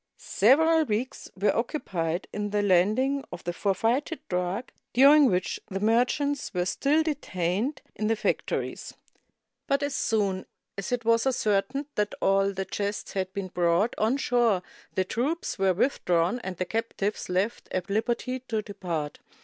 Several weeks were occupied in the land ing of the forfeited drug, during which the merchants were still detained in the factories ; but as soon as it was ascertained that all the chests had been brought on shore, the troops were withdrawn and the captives left at Kberty to depart.